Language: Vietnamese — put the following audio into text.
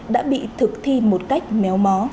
đã bị thực thi một cách méo mó